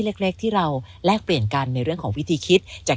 เล็กที่เราแลกเปลี่ยนกันในเรื่องของวิธีคิดจาก